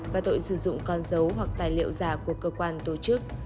và tội sử dụng con dấu hoặc tài liệu giả của cơ quan tổ chức